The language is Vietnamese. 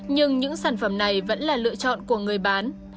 nhưng những sản phẩm này vẫn là lựa chọn của người bán